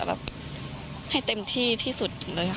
แบบให้เต็มที่ที่สุดเลยค่ะ